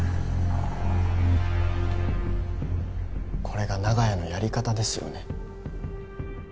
これが長屋のやり方ですよね。